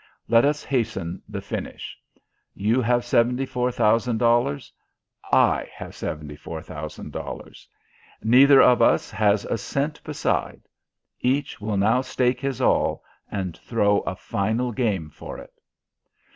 Let us hasten the finish. You have seventy four thousand dollars, I have seventy four thousand dollars. Nether of us has a cent beside. Each will now stake his all and throw a final game for it."